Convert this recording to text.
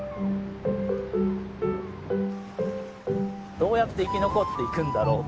「どうやって生き残っていくんだろう」。